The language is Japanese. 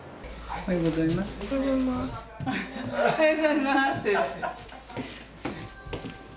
おはようございますって。